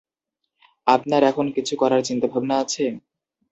আপনার এখন কিছু করার চিন্তা ভাবনা আছে?